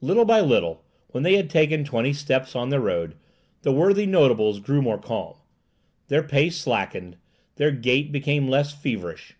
Little by little, when they had taken twenty steps on their road, the worthy notables grew more calm. Their pace slackened, their gait became less feverish.